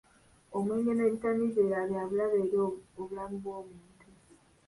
Omwenge n'ebitamiiza ebirala byabulabe eri obulamu bw'omuntu.